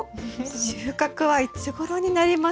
収穫はいつごろになりますかね？